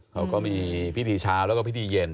เขาก็มีพฤติเช้าแล้วก็พฤติเย็น